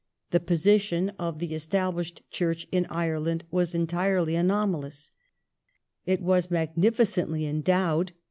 The The Es position of the Established Church in Ireland was entirely anomal churdfln ous. It was magnificently endowed.